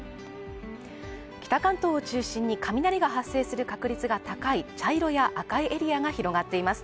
北関東を中心に雷が発生する確率が高い茶色や赤いエリアが広がっています。